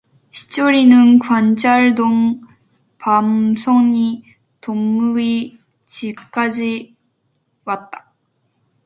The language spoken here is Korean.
신철이는 관철동 밤송이 동무의 집까지 왔다.